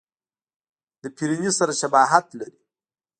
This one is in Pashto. د فرني سره شباهت لري.